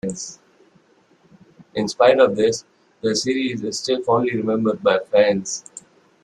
In spite of this, the series is still fondly remembered by fans.